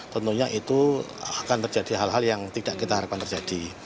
tentunya itu akan terjadi hal hal yang tidak kita harapkan terjadi